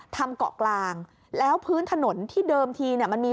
เกาะกลางแล้วพื้นถนนที่เดิมทีเนี่ยมันมี